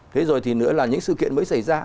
thế rồi thì nữa là những sự kiện mới xảy ra